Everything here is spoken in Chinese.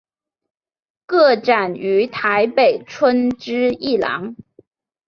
个展于台北春之艺廊。